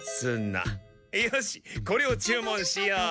よしこれを注文しよう！